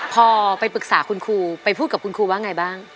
พอไปปรึกษาคุณครูไปพูดกับคุณครูว่าไงบ้าง